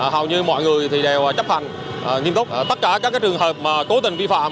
hầu như mọi người đều chấp hành nghiêm túc tất cả các trường hợp cố tình vi phạm